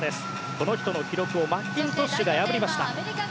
この人の記録をマッキントッシュが破りました。